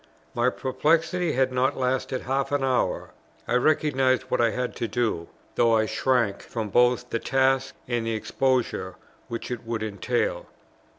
My perplexity had not lasted half an hour. I recognized what I had to do, though I shrank from both the task and the exposure which it would entail.